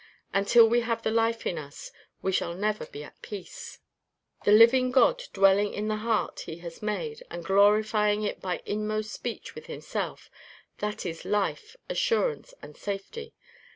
Until we have the life in us, we shall never be at peace. The living God dwelling in the heart he has made, and glorifying it by inmost speech with himself that is life, assurance, and safety.